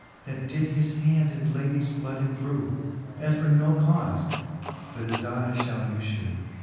That did" his hand in ladie's bloud embrew. And for no caufe, but as I fhall you fhew.